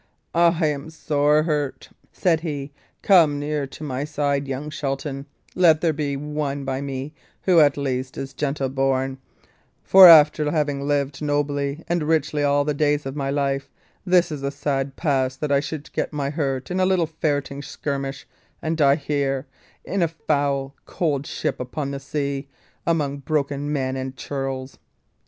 "I am sore hurt," said he. "Come near to my side, young Shelton; let there be one by me who, at least, is gentle born; for after having lived nobly and richly all the days of my life, this is a sad pass that I should get my hurt in a little ferreting skirmish, and die here, in a foul, cold ship upon the sea, among broken men and churls."